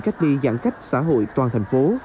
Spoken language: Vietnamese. cách đi giãn cách xã hội toàn thành phố